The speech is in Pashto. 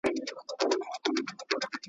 لا پر سوځلو ښاخلو پاڼي لري